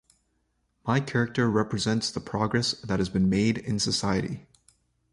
My character represents the progress that has been made in society.